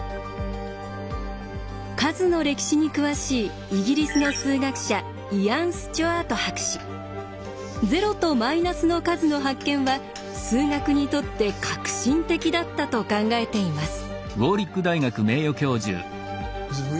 数の歴史に詳しいイギリスの数学者０とマイナスの数の発見は数学にとって革新的だったと考えています。